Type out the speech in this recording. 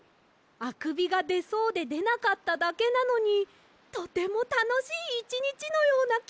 あくびがでそうででなかっただけなのにとてもたのしいいちにちのようなきがしました！